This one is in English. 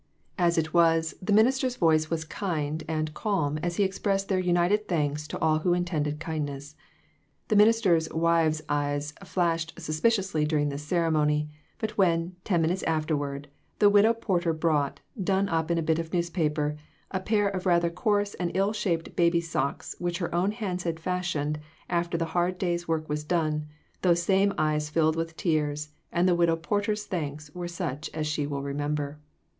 J. S. R. 413 As it was, the minister's voice was kind and calm as he expressed their united thanks to all who intended kindness. The minister's wife's eyes flashed suspiciously during this ceremony; but when, ten minutes afterward, the widow Porter brought, done up in a bit of newspaper, a pair of rather coarse and rather ill shaped baby's socks which her own hands had fashioned after the hard day's work was done, those same eyes filled with tears, and the widow Porter's thanks were such as she will remember.